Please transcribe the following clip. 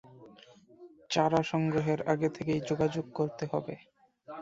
চারা সংগ্রহের আগে থেকেই যোগাযোগ করতে হবে।